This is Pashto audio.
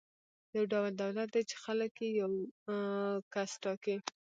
یو ډول دولت دی چې خلک یې یو کس ټاکي.